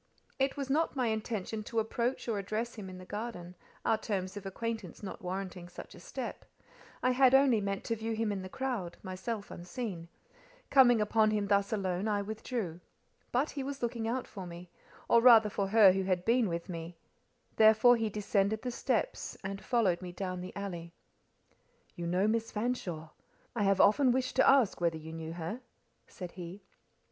It was, not my intention to approach or address him in the garden, our terms of acquaintance not warranting such a step; I had only meant to view him in the crowd—myself unseen: coming upon him thus alone, I withdrew. But he was looking out for me, or rather for her who had been with me: therefore he descended the steps, and followed me down the alley. "You know Miss Fanshawe? I have often wished to ask whether you knew her," said he.